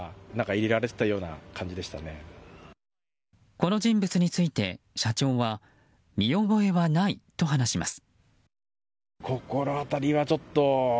この人物について社長は見覚えはないと話します。